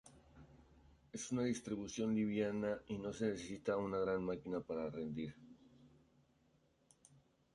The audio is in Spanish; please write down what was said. Es una distribución liviana, y no necesita una gran máquina para rendir.